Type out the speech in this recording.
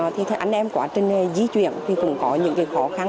thì anh em quá trình di chuyển thì cũng có những cái khó khăn